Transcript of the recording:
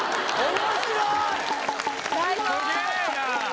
・面白い！